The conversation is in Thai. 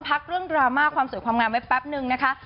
พักเรื่องดราม่าความสวยความงามไว้แป๊บนึงนะคะ